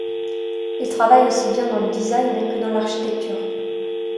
Il travaille aussi bien dans le design que dans l’architecture.